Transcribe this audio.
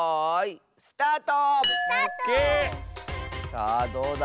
さあどうだ？